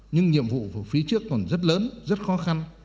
nhưng nhiệm vụ của phía trước còn rất lớn rất khó khăn